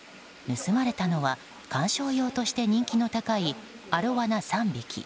盗まれたのは観賞用として人気の高いアロワナ３匹。